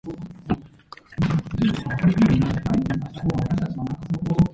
The slightly raised ground floor has an entrance in the south-east facade.